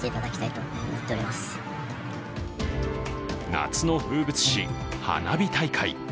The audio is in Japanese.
夏の風物詩・花火大会。